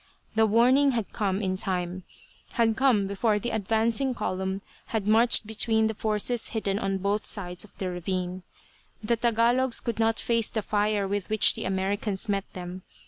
The warning had come in time had come before the advancing column had marched between the forces hidden on both sides of the ravine. The Tagalogs could not face the fire with which the Americans met them.